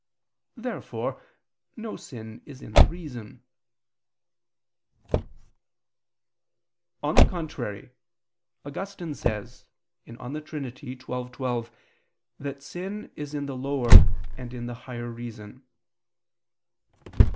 Therefore no sin is in the reason. On the contrary, Augustine says (De Trin. xii, 12) that sin is in the lower and in the higher reason.